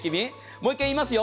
もう一回いいますよ。